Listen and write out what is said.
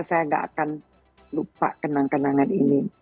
saya gak akan lupa kenang kenangan ini